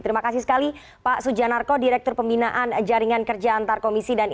terima kasih sekali pak sujanarko direktur pembinaan jaringan kerja antar komisi dan